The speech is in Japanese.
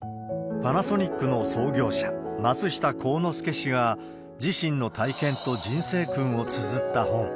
パナソニックの創業者、松下幸之助氏が、自身の体験と人生訓などをつづった本。